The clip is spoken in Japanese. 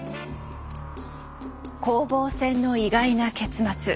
攻防戦の意外な結末。